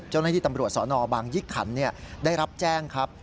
เจ้าหน้าที่ตำรวจสนบางยี่ขันได้รับแจ้งครับ